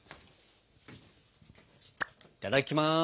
いただきます！